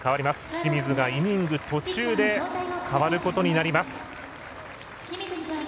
清水がイニング途中で代わることになります。